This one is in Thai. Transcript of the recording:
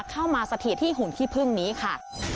มาสถิตที่หุ่นขี้พึ่งนี้ค่ะ